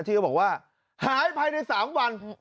ที่เขาบอกว่าหายภายใน๓วัน